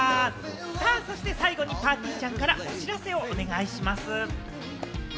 そして最後にぱーてぃーちゃんからお知らせをお願いします。